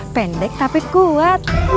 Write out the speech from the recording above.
pendek tapi kuat